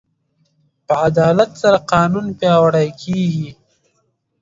په عدالت سره قانون پیاوړی کېږي.